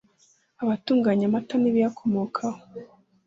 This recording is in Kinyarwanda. abatunganya amata n’ibiyakomokaho